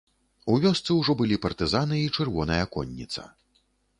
У вёсцы ўжо былі партызаны і чырвоная конніца.